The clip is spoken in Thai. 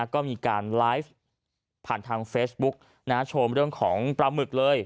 ก็มีการไลฟ์ผ่านทางเฟซบุ๊กโชว์เรื่องของปลาหมึกเลย